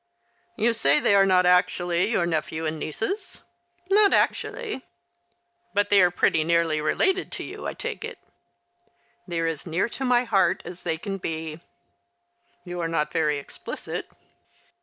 "You say they are not actually your nephew and nieces ?"" Not actually !" "But they are pretty nearly related to you, I take it ?"" They are as near to my heart as they can be !"" You are not very explicit."